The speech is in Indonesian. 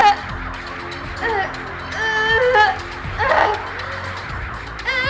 apa yang terjadi